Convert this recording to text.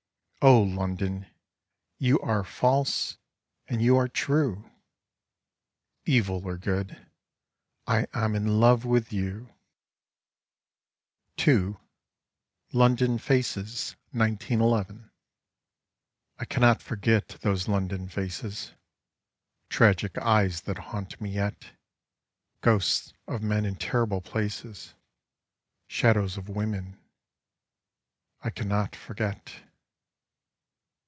O London I you are false, and you are true — Evil or good, I am in love with you I t38] TWO SONGS OF LONDON II — ^London Faces (1911). I cannot forget those London faces, Tragic eyes that haunt me yet, Ghosts of men in terrible places, ^ Shadows of women. ... I cannot forget.